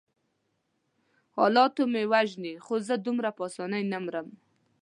حالات مې وژني خو زه دومره په آسانۍ نه مرم.